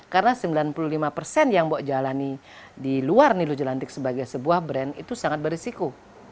karena sembilan puluh lima yang mbak jalani di luar nilo jelantik sebagai sebuah brand itu sangat berisiko